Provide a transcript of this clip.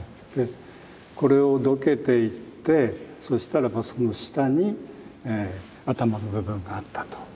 これをどけていってそしたらばその下に頭の部分があったと。